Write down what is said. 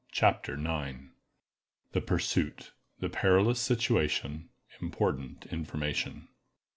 CHAPTER IX. _The Pursuit—The Perilous Situation—Important Information.